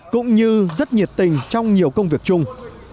cũng như rất nhiệt tình trong nhiều công việc chung